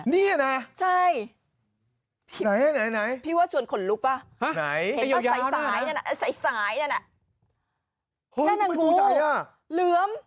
นี่อ่ะน่ะใช่พี่ว่าชวนขนลุกป่ะเห็นป่ะสายสายนั่นน่ะแค่นางงูเหลือม